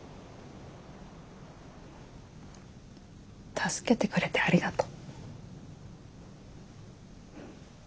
助けてくれてありがとう。